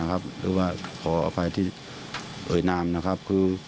หรือว่าขออภัยที่เอ่ยนามนะครับ